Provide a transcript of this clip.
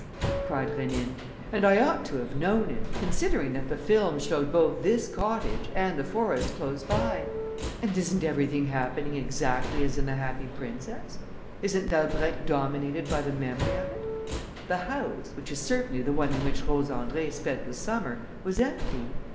cried Rénine. "And I ought to have known it, considering that the film showed both this cottage and the forest close by. And isn't everything happening exactly as in The Happy Princess? Isn't Dalbrèque dominated by the memory of it? The house, which is certainly the one in which Rose Andrée spent the summer, was empty.